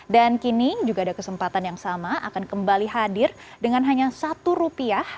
kini juga ada kesempatan yang sama akan kembali hadir dengan hanya satu rupiah